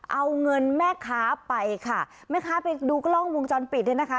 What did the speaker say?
เอาเงินแม่ค้าไปค่ะแม่ค้าไปดูกล้องวงจรปิดเนี่ยนะคะ